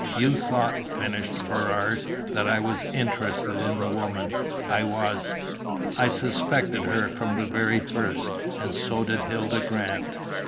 "You thought," finished Ferrars, "that I was interested in the woman. I was. I suspected her from the very first, and so did Hilda Grant."